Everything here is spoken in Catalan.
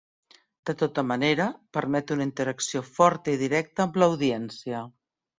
De tota manera, permet una interacció forta i directa amb l'audiència.